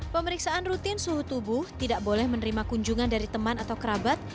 pemeriksaan rutin suhu tubuh tidak boleh menerima kunjungan dari teman atau kerabat